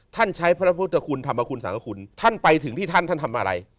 ท่านใช้พระพุทธคุณธรรมคุณสังคคุณท่านไปถึงที่ท่านท่านทำอะไร